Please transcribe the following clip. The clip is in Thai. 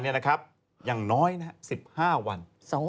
อย่างน้อย๑๕วัน